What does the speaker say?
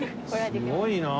すごいなあ。